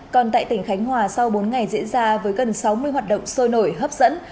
còn tại tỉnh khánh hòa sau bốn ngày diễn ra với gần sáu mươi hoạt động sôi nổi hấp dẫn